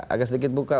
agak sedikit buka